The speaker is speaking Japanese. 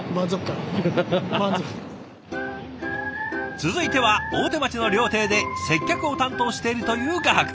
続いては大手町の料亭で接客を担当しているという画伯。